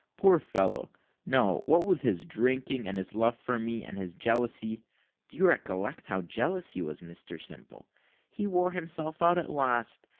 Poor fellow, no what with his drinking, and his love for me and his jealousy (do you recollect how jealous he was, Mr Simple?) he wore himself out at last.